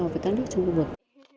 còn với các nước trong khu vực